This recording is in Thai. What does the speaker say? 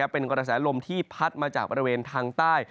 เป็นกระแสลมที่พัดมาจากบริเวณทางใต้